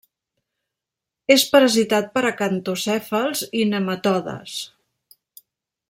És parasitat per acantocèfals i nematodes.